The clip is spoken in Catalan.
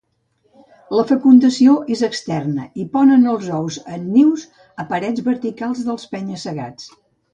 La fecundació és externa i ponen els ous en nius a parets verticals dels penya-segats.